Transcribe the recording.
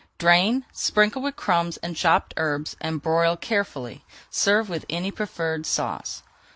Drain, sprinkle with crumbs and chopped herbs, and broil carefully. Serve with any preferred sauce.